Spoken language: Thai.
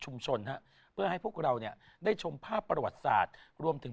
ฮะเพื่อให้พวกเราเนี่ยได้ชมภาพประวัติศาสตร์รวมถึง